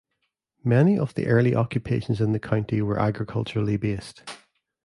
Many of the early occupations in the county were agriculturally based.